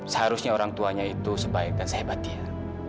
seharusnya orang tuanya itu sebaik dan sehebat dia